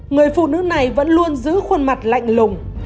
người phụ nữ này vẫn luôn giữ khuôn mặt lạnh lùng